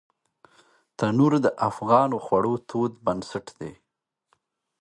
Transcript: تنور د افغانو خوړو تود بنسټ دی